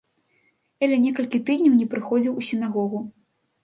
Эля некалькі тыдняў не прыходзіў у сінагогу.